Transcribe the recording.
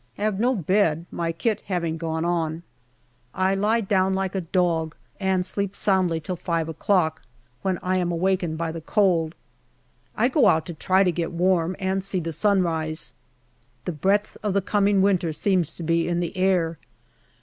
Have no bed, my kit having gone on. I lie down like a dog and sleep soundly till five o'clock, when I am awakened by the cold. I go out to try to get warm, and see the sun rise. The breath of the coming winter seems to be in the air.